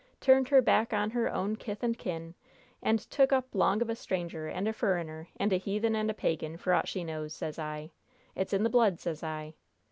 Turned her back on her own kith and kin, and took up 'long of a stranger and a furriner, and a heathen and a pagan, for aught she knows, sez I! It's in the blood, sez I!